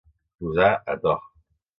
Posar a to.